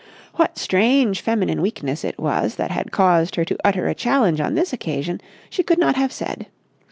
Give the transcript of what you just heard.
What strange feminine weakness it was that had caused her to utter a challenge on this occasion, she could not have said.